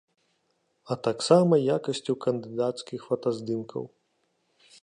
А таксама якасцю кандыдацкіх фотаздымкаў.